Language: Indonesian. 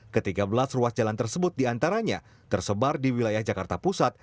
ketiga belas ruas jalan tersebut diantaranya tersebar di wilayah jakarta pusat